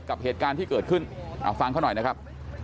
กับเหตุการณ์ที่เกิดขึ้นเอาฟังเขาหน่อยนะครับ